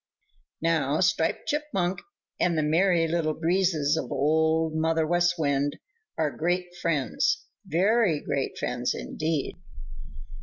Now Striped Chipmunk and the Merry Little Breezes of Old Mother West Wind are great friends, very great friends, indeed.